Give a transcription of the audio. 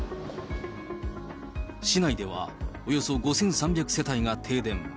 市内では、およそ５３００世帯が停電。